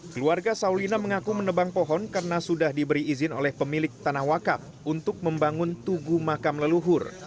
keluarga saulina mengaku menebang pohon karena sudah diberi izin oleh pemilik tanah wakaf untuk membangun tugu makam leluhur